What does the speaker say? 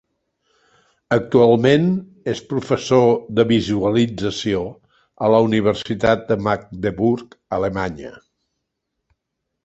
Actualment és professor de visualització a la Universitat de Magdeburg, Alemanya.